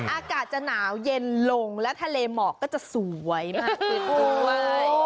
อากาศจะหนาวเย็นลงและทะเลหมอกก็จะสวยมากขึ้นด้วย